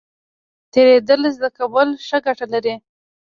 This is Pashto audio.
تیریدل زده کول څه ګټه لري؟